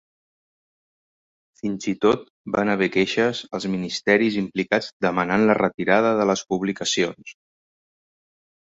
Fins i tot van haver queixes als ministeris implicats demanant la retirada de les publicacions.